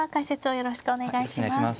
よろしくお願いします。